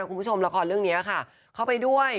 คุณผู้ชมละครเรื่องนี้ค่ะเข้าไปด้วย